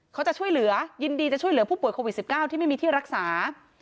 เขาจะช่วยเหลือยินดีจะช่วยเหลือผู้ป่วยโควิด๑๙ที่ไม่มีที่รักษา